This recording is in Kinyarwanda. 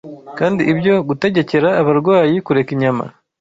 kandi ibyo gutegekera abarwayi kureka inyama